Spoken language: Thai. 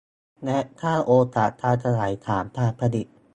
และสร้างโอกาสการขยายฐานการผลิต